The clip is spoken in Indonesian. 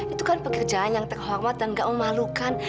itu kan pekerjaan yang terhormat dan gak memalukan